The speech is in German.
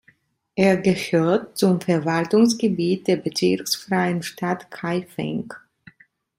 Er gehört zum Verwaltungsgebiet der bezirksfreien Stadt Kaifeng.